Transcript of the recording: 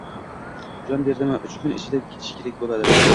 Jon berdimi — uch kun ichida ketishi kerak bo‘ladi.